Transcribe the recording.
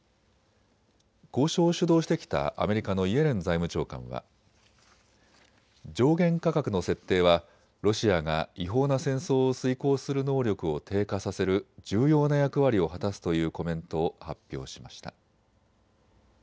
交渉を主導してきたアメリカのイエレン財務長官は上限価格の設定はロシアが違法な戦争を遂行する能力を低下させる重要な役割を果たすというコメントを発表しました。